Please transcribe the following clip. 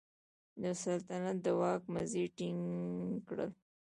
د سلطنت د واک مزي ټینګ کړل.